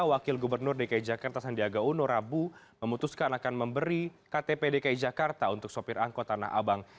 wakil gubernur dki jakarta sandiaga uno rabu memutuskan akan memberi ktp dki jakarta untuk sopir angkot tanah abang